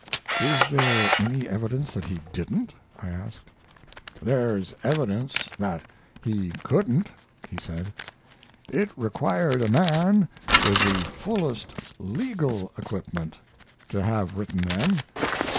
"Is there any evidence that he didn't?" I asked. "There's evidence that he couldn't," he said. "It required a man with the fullest legal equipment to have written them.